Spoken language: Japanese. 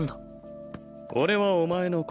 俺はお前の心。